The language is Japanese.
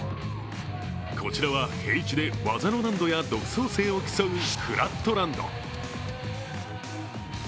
こちらは平地で技の難度や独創性を競うフラットランド。